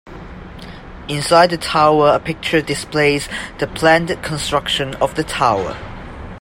Inside the tower a picture displays the planned construction of the tower.